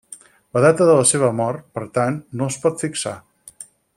La data de la seva mort, per tant, no es pot fixar.